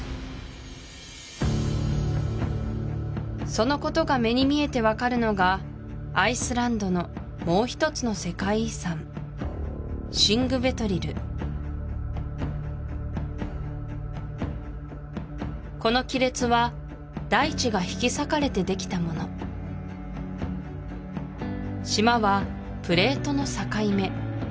そのことが目に見えて分かるのがアイスランドのもう一つのこの亀裂は大地が引き裂かれてできたもの島はプレートの境目